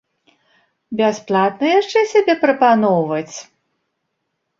Бясплатна яшчэ сябе прапаноўваць?